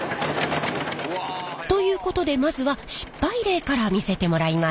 うわ。ということでまずは失敗例から見せてもらいます。